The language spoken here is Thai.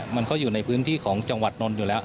มันก็อยู่ในพื้นที่ของจังหวัดนนท์อยู่แล้ว